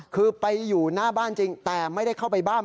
คือไปอยู่หน้าบ้านจริงแต่ไม่ได้เข้าไปบ้าน